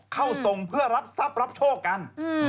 เข้าทรงเพื่อรับทรัพย์รับโชคกัน